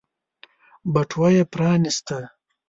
بټوه يې پرانيسته.